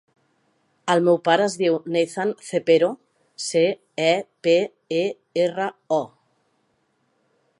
El meu pare es diu Nathan Cepero: ce, e, pe, e, erra, o.